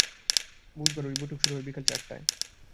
বুধবার ওই বৈঠক শুরু হয় বিকেল চারটায়।